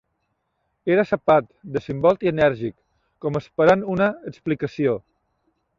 Era sapat, desimbolt i enèrgic, com esperant una explicació.